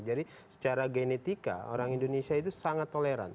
jadi secara genetika orang indonesia itu sangat toleran